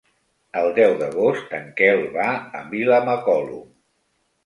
El deu d'agost en Quel va a Vilamacolum.